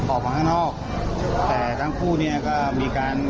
ออกมาข้างนอก